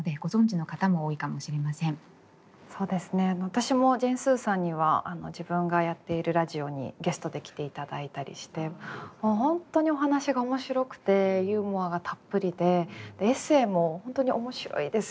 私もジェーン・スーさんには自分がやっているラジオにゲストで来ていただいたりして本当にお話が面白くてユーモアがたっぷりでエッセイも本当に面白いですよね。